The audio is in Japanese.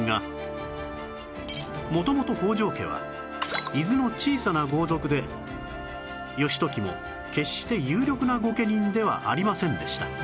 元々北条家は伊豆の小さな豪族で義時も決して有力な御家人ではありませんでした